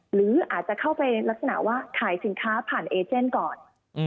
หรืออาจจะเข้าไปลักษณะว่าขายสินค้าผ่านเอเจนก่อน